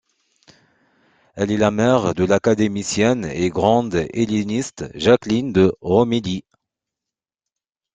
Elle est la mère de l'académicienne et grande helléniste, Jacqueline de Romilly.